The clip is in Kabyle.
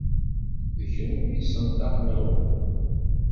D kunwi i yessenṭaqen awal.